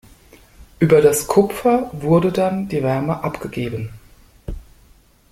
Über das Kupfer wurde dann die Wärme abgegeben.